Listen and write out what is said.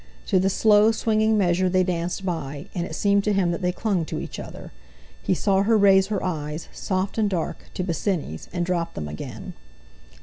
To the slow, swinging measure they danced by, and it seemed to him that they clung to each other; he saw her raise her eyes, soft and dark, to Bosinney's, and drop them again.